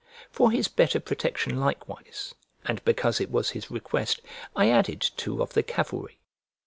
For his better protection likewise, and because it was his request, I added two of the cavalry.